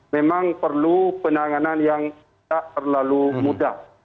memang perlu penanganan yang tidak terlalu mudah